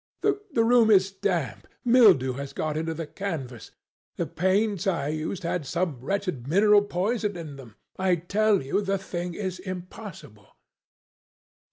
The room is damp. Mildew has got into the canvas. The paints I used had some wretched mineral poison in them. I tell you the thing is impossible."